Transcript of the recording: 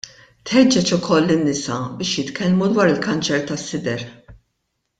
Tħeġġeġ ukoll lin-nisa biex jitkellmu dwar il-kanċer tas-sider.